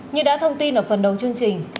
như đã thông tin ở phần đầu chương trình